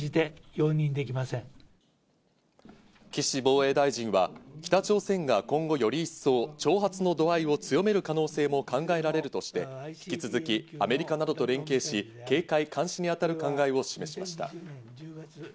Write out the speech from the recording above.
岸防衛大臣は、北朝鮮が今後より一層、挑発の度合いを強める可能性も考えられるとして、引き続きアメリカなどと連携し、警戒監視に当たる考えを示しました。